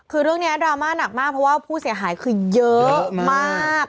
คือเรื่องนี้ดราม่าหนักมากเพราะว่าผู้เสียหายคือเยอะมาก